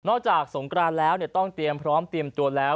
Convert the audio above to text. จากสงกรานแล้วต้องเตรียมพร้อมเตรียมตัวแล้ว